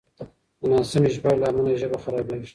د ناسمې ژباړې له امله ژبه خرابېږي.